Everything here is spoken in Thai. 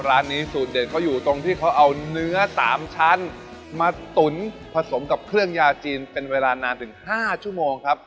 ร้านนี้สูตรเด็ดเขาอยู่ตรงที่เขาเอาเนื้อ๓ชั้นมาตุ๋นผสมกับเครื่องยาจีนเป็นเวลานานถึง๕ชั่วโมงครับ